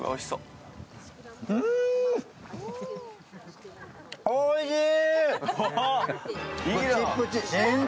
うん、おいしい！！